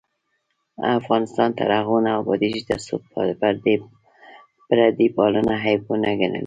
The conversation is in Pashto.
افغانستان تر هغو نه ابادیږي، ترڅو پردی پالنه عیب ونه ګڼل شي.